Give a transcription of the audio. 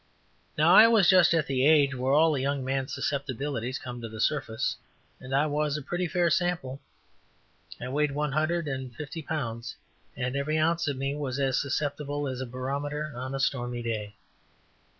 Now I was just at the age where all a young man's susceptibility comes to the surface, and I was a pretty fair sample. I weighed one hundred and fifty pounds and every ounce of me was as susceptible as a barometer on a stormy day.